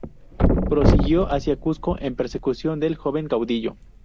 Prosiguió hacia Cuzco en persecución del joven caudillo.